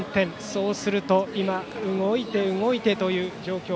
そうすると、今動いて動いてという状況。